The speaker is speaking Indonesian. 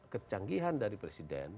kecanggihan dari presiden